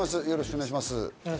よろしくお願いします。